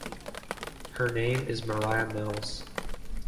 Her name is Mariah Mills.